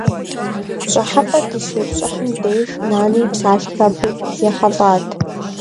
ПщӀыхьэпӀэ дыщепщӀыхьым деж, нанэ и псалъэхэр абы ехьэлӀат.